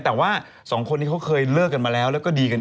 แต่ว่าสองคนนี้เขาเคยเลิกกันมาแล้วแล้วก็ดีกัน